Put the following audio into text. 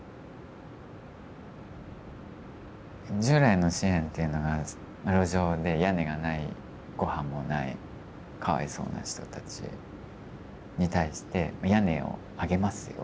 従来の支援っていうのが路上で屋根がないごはんもないかわいそうな人たちに対して屋根をあげますよ